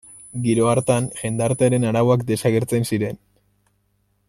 Giro hartan jendartearen arauak desagertzen ziren.